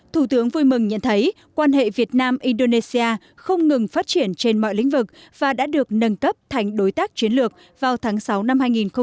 thủ tướng vui mừng nhận thấy quan hệ việt nam indonesia không ngừng phát triển trên mọi lĩnh vực và đã được nâng cấp thành đối tác chiến lược vào tháng sáu năm hai nghìn một mươi tám